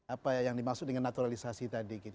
apa yang dimaksud dengan naturalisasi tadi gitu